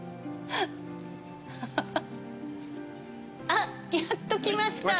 あっやっと来ました。